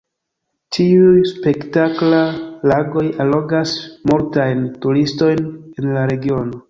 Tiuj spektakla lagoj allogas multajn turistojn en la regiono.